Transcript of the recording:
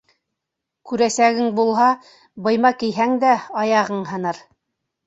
Күрәсәгең булһа, быйма кейһәң дә, аяғың һыныр.